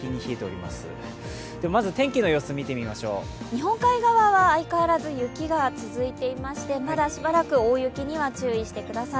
まず天気の様子、見てみましょう日本海側は相変わらず雪が続いていましてまだしばらく大雪には注意してください。